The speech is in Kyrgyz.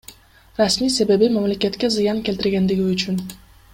Расмий себеби — мамлекетке зыян келтиргендиги үчүн.